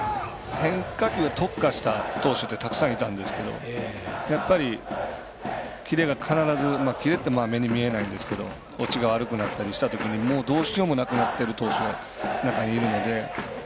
変化球に特化した選手ってたくさんいたんですけどやっぱり、キレが必ずキレって目に見えないんですけど落ちが悪くなったりしたときにもうどうしようもなくなってる投手が中にはいるので。